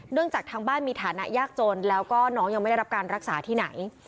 จากทางบ้านมีฐานะยากจนแล้วก็น้องยังไม่ได้รับการรักษาที่ไหน